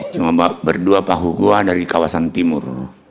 cuma berdua pahu gua dari kawasan timur